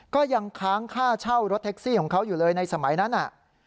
ก็ยังค้างค่าเช่ารถแท็กซี่ของเขาอยู่เลยในสมัยนั้นน่ะ